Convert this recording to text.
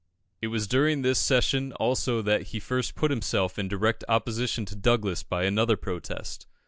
It was during this session also that he first put himself in direct opposition to Douglas by another protest.